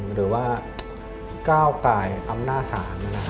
หรือว่าก้าวกายอำนาจศาล